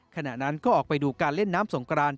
ขณะนั้นก็ออกไปดูการเล่นน้ำสงกราน